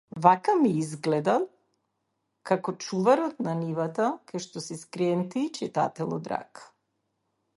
Вака ми излгедат како чуварот на нивата кај шо си скриен ти читателу драг.